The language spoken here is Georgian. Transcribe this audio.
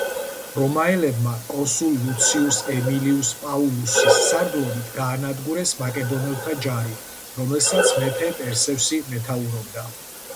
რომაელებმა კონსულ ლუციუს ემილიუს პაულუსის სარდლობით გაანადგურეს მაკედონელთა ჯარი, რომელსაც მეფე პერსევსი მეთაურობდა.